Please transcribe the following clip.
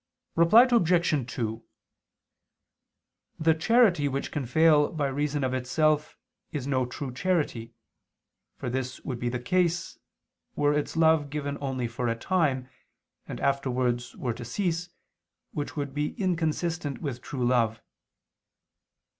Reply Obj. 2: The charity which can fail by reason of itself is no true charity; for this would be the case, were its love given only for a time, and afterwards were to cease, which would be inconsistent with true love.